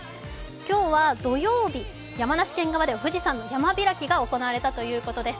今日は土用日、山梨県側では富士山の山開きが行われたということです。